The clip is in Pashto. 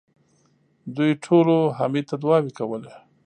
دوی ټولو حميد ته دعاوې کولې.